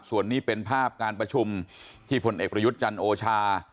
ส่วนนี้เป็นภาพการประชุมที่พลเอกประยุทธ์จันทร์โอชา